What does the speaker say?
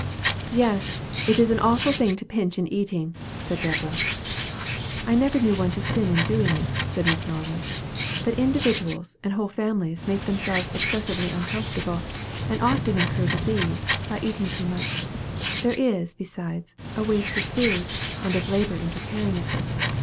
"Yes; it is an awful thing to pinch in eating," said Deborah. "I never knew one to sin in doing it," said Miss Norwood. "But many individuals and whole families make themselves excessively uncomfortable, and often incur disease, by eating too much. There is, besides, a waste of food, and of labor in preparing it.